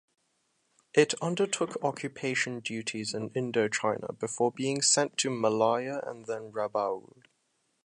It undertook occupation duties in Indochina before being sent to Malaya and then Rabaul.